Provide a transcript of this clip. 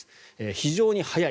非常に速い。